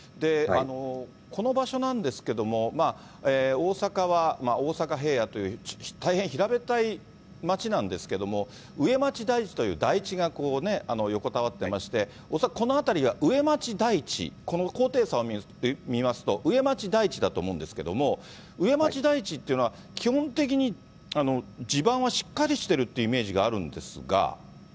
この場所なんですけども、大阪は大阪平野という、大変平べったい街なんですけれども、うえまち台地という台地が横たわってまして、恐らくこの辺りが上町台地、この高低差を見ますと、うえまち台地だと思うんですけれども、上町台地っていうのは、基本的に地盤はしっかりしてるというイメージがあるんですが。